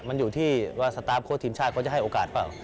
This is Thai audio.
มันอยู่ที่ว่าสตาร์ฟโค้ดทีมชาติเขาจะให้โอกาสเปล่า